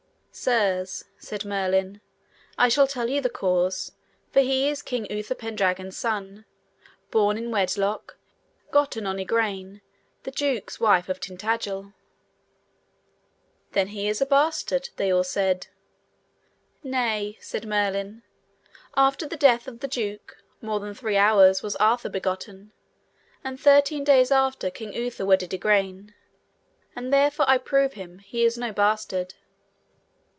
Sirs, said Merlin, I shall tell you the cause, for he is King Uther Pendragon's son, born in wedlock, gotten on Igraine, the duke's wife of Tintagil. Then is he a bastard, they said all. Nay, said Merlin, after the death of the duke, more than three hours, was Arthur begotten, and thirteen days after King Uther wedded Igraine; and therefore I prove him he is no bastard.